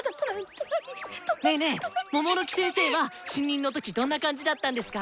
ねーねーモモノキ先生は新任の時どんな感じだったんですか